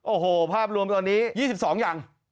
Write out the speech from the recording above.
โอ้โหภาพรวมตอนนี้๒๒อย่าง